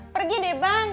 pergi deh bang